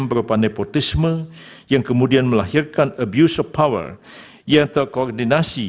berupa nepotisme yang kemudian melahirkan abuse of power yang terkoordinasi